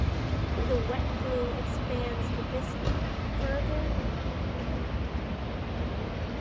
The wet glue expands the biscuit, further improving the bond.